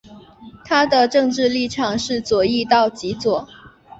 它的政治立场是左翼到极左。